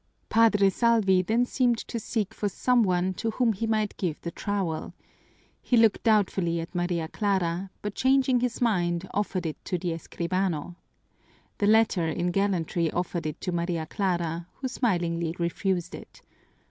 Padre Salvi then seemed to seek for some one to whom he might give the trowel. He looked doubtfully at Maria Clara, but changing his mind, offered it to the escribano. The latter in gallantry offered it to Maria Clara, who smilingly refused it.